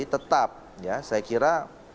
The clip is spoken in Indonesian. tetap ya saya kira